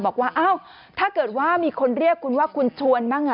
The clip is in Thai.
บอกว่าอ้าวถ้าเกิดว่ามีคนเรียกคุณว่าคุณชวนบ้าง